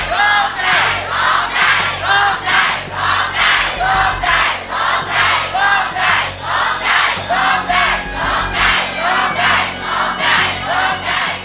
โครงใจ